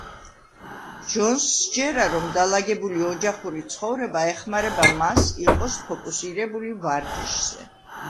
ჯონსს სჯერა, რომ დალაგებული ოჯახური ცხოვრება ეხმარება მას იყოს ფოკუსირებული ვარჯიშზე.